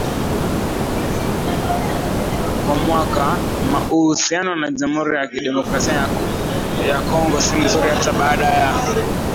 kwa mwakaUhusiano na Jamhuri ya Kidemokrasia ya Kongo si mzuri hata baada ya